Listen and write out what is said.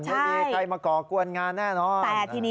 ไม่มีใครมาก่อกวนงานแน่นอน